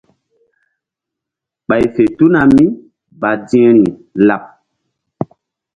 Ɓay fe tuna mí badi̧hri laɓ.